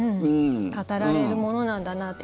語られるものなんだなと。